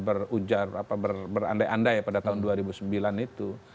berujar berandai andai pada tahun dua ribu sembilan itu